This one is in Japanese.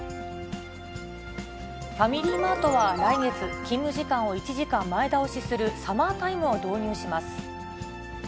ファミリーマートは来月、勤務時間を１時間前倒しするサマータイムを導入します。